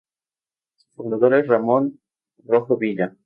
Su fundador es Ramón Rojo Villa.